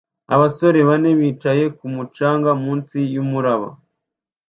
Abasore bane bicaye ku mucanga munsi yumuraba